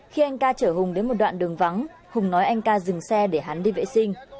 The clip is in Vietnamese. khi anh ca chở hùng đến một đoạn đường vắng hùng nói anh ca dừng xe để hắn đi vệ sinh